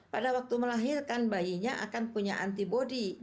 pada waktu melahirkan bayinya akan punya antibody